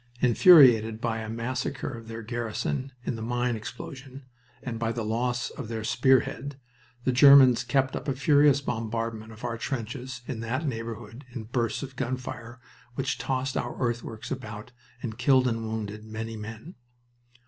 Infuriated by a massacre of their garrison in the mine explosion and by the loss of their spear head, the Germans kept up a furious bombardment on our trenches in that neighborhood in bursts of gun fire which tossed our earthworks about and killed and wounded many men.